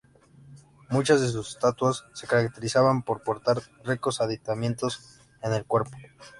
Muchas de sus estatuas se caracterizaban por portar ricos aditamentos en el cuerpo.